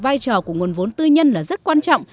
vai trò của nguồn vốn tư nhân là rất quan trọng